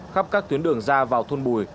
khắp các tuyến đường ra vào thôn bùi